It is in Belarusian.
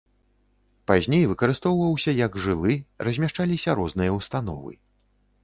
Пазней выкарыстоўваўся як жылы, размяшчаліся розныя установы.